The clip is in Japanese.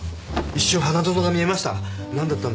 一瞬花園が見えました。